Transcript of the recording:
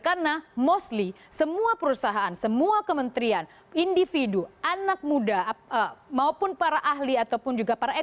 saya berpikir bahwa setiap saat ini akan ada update terkini di seluruh dunia